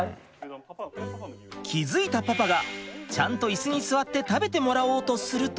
気付いたパパがちゃんとイスに座って食べてもらおうとすると。